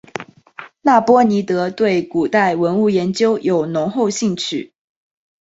那波尼德对古代文物研究有浓厚兴趣。